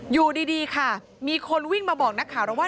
อยู่ดีค่ะมีคนวิ่งมาบอกนักข่าวเราว่า